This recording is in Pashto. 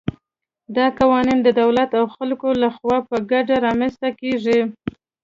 دا قوانین د دولت او خلکو له خوا په ګډه رامنځته کېږي.